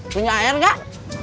punya air enggak